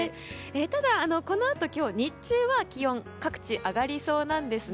ただ、このあと今日日中は気温各地上がりそうなんです。